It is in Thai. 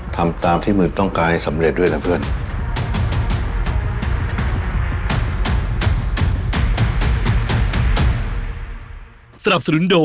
ทำตามที่มือต้องการให้สำเร็จด้วยล่ะเพื่อน